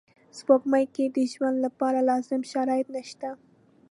سپوږمۍ کې د ژوند لپاره لازم شرایط نشته